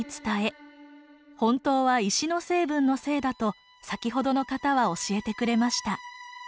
本当は石の成分のせいだと先ほどの方は教えてくれました。